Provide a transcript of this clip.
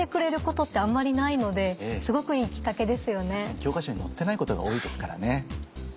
教科書に載ってないことが多いですからね。